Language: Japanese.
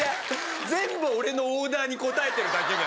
全部俺のオーダーに応えてるだけだよ